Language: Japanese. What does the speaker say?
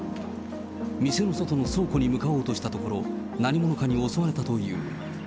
店の外の倉庫に向かおうとしたところ、何者かに襲われたという。